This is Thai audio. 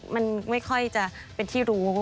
มันไม่ค่อยจะเป็นที่รู้